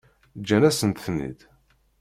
Ǧǧan-asent-ten-id.